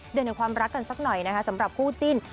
เดือนแห่งความรักกันสักหน่อยนะคะสำหรับคู่จิ้น